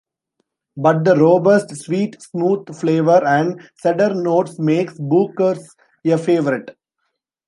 But the robust, sweet, smooth flavor and cedar notes makes Booker's a favorite.